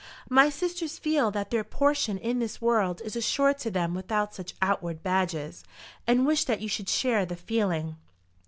My sisters feel that their portion in this world is assured to them without such outward badges, and wish that you should share the feeling."